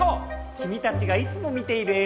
きみたちがいつも見ているえい